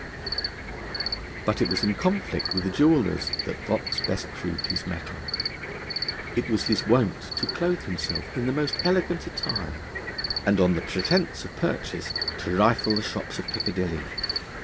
But it was in conflict with the jewellers that Vaux best proved his mettle. It was his wont to clothe himself 'in the most elegant attire,' and on the pretence of purchase to rifle the shops of Piccadilly.